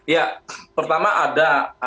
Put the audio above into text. ya pertama ada